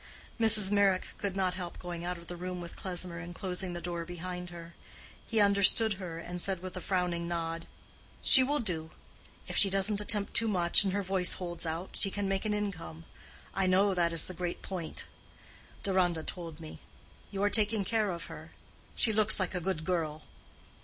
Mrs. Meyrick could not help going out of the room with Klesmer and closing the door behind her. He understood her, and said with a frowning nod, "She will do: if she doesn't attempt too much and her voice holds out, she can make an income. I know that is the great point: Deronda told me. You are taking care of her. She looks like a good girl."